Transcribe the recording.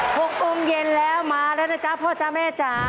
โปรกกงเย็นแล้วมาแล้วนะจ๊ะพ่อจ้าแม่จ้า